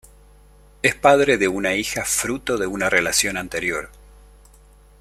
Es padre de una hija fruto de una relación anterior.